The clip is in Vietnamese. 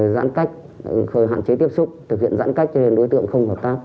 giãn cách hạn chế tiếp xúc thực hiện giãn cách cho nên đối tượng không hợp tác